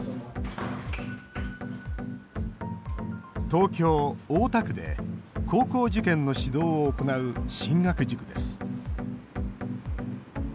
東京・大田区で高校受験の指導を行う進学塾です。